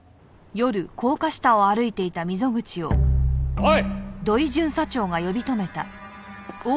おい！